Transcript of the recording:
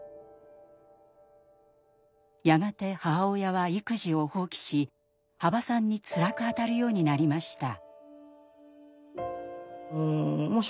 やがて母親は育児を放棄し羽馬さんにつらく当たるようになりました。